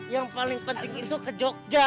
yang paling penting itu ke jogja